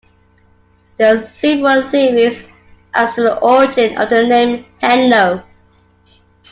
There are several theories as to the origin of the name Henlow.